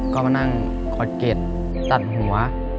ก็มานั่งคอตเก็ตตัดหัว